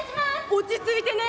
落ち着いてね。